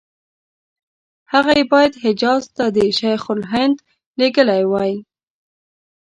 هغه یې باید حجاز ته شیخ الهند ته لېږلي وای.